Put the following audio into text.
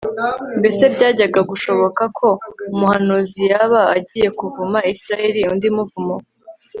Mbese byajyaga gushoboka ko umuhanuzi yaba agiye kuvuma Isirayeli undi muvumo